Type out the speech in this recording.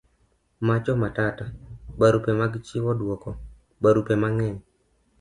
Macho Matata. barupe mag chiwo duoko. barupe mang'eny